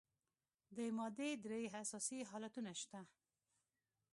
د مادې درې اساسي حالتونه شته.